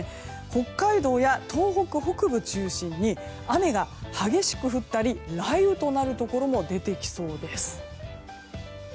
北海道や東北北部中心に雨が激しく降ったり雷雨となるところも出てきそうです。